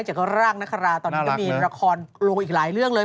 จากร่างนคราตอนนี้ก็มีละครลงอีกหลายเรื่องเลย